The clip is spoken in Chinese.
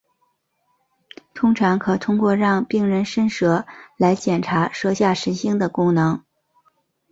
通常可通过让病人伸舌来检查舌下神经的功能。